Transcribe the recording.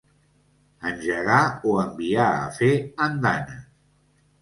Engegar o enviar a fer andanes.